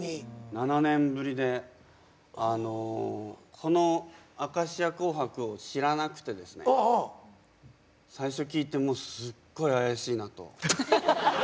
７年ぶりでこの「明石家紅白！」を知らなくてですね最初聞いてもうすっごい怪しいなと。